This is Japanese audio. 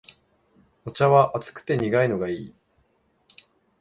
お茶は熱くて苦いのがいい